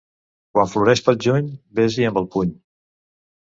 Quan floreix pel juny, ves-hi amb el puny.